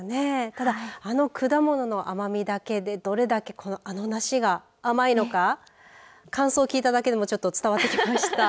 ただ、あの果物の甘みだけでどれだけのあの梨が甘いのか、感想を聞いただけでも伝わってきました。